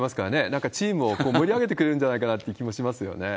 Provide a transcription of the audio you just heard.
なんかチームを盛り上げてくれるんじゃないかなって気もしますよ